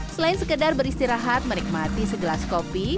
selain sekedar beristirahat menikmati segelas kopi